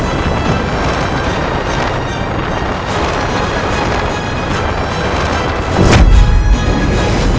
jenggu aden jangan bangun